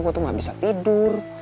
aku tuh gak bisa tidur